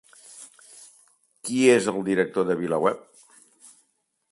Qui és el director de VilaWeb?